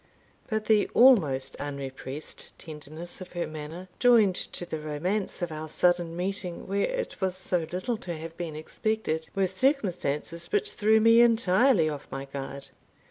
But the almost unrepressed tenderness of her manner, joined to the romance of our sudden meeting where it was so little to have been expected, were circumstances which threw me entirely off my guard.